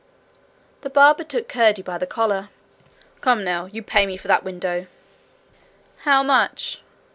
The barber took Curdie by the collar. 'Come, now! You pay me for that window.' 'How much?'